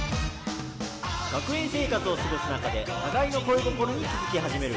学園生活を過ごす中で、互いの恋心に気付き始める。